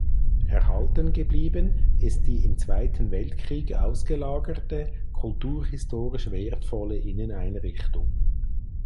Erhalten geblieben ist die im Zweiten Weltkrieg ausgelagerte kulturhistorisch wertvolle Inneneinrichtung.